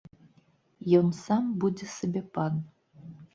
Ён сам будзе сабе пан.